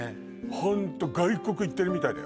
ホント外国行ってるみたいだよ